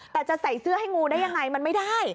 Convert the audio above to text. แต่จะใส่เสื้อให้งูได้ยังไงมันไม่ได้